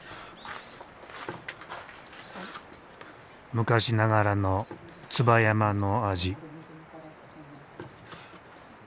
昔ながらの椿山の味。